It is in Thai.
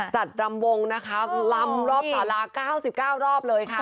จัดรำวงลำรอบสารา๙๙รอบเลยค่ะ